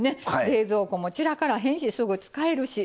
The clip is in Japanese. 冷蔵庫も散らからへんしすぐ使えるしね！